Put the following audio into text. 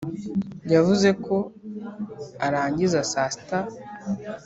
yavuze ko arangiza saa sita